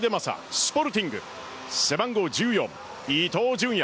スポルティング背番号１４・伊東純也